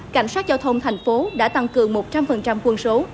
cảnh sát giao thông tp đã tăng cường một trăm linh quân số